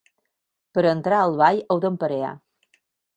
Per a entrar al ball heu d'emparellar.